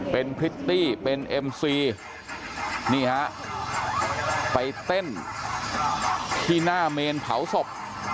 เป็นพริตตี้เป็นเอ็มซีนี่ฮะไปเต้นที่หน้าเมนเผาศพ